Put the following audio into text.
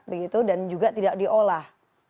begitu dan juga tidak diolah